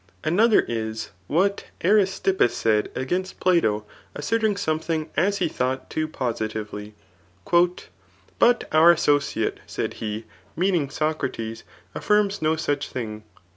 Another is, what Aristippus said against Plato asserting something as he thought too positively ;^^ But our associate^ said he, meaning Socrates, affirms no such thing."